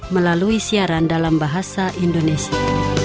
melalui siaran dalam bahasa indonesia